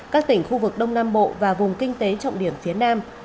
các tỉnh khu vực đông nam bộ và vùng kinh tế trọng điểm phía nam